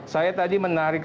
saya tadi menarik